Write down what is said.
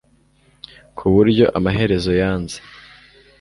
ku buryo amaherezo yanze